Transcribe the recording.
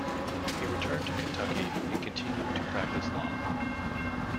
He returned to Kentucky and continued to practice law.